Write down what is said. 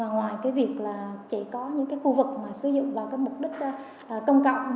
ngoài cái việc là chỉ có những cái khu vực mà sử dụng vào cái mục đích công cộng